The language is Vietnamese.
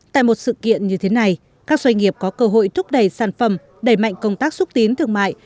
tại một sự kiện như thế này các doanh nghiệp có cơ hội thúc đẩy sản phẩm đẩy mạnh công tác xúc tiến thương mại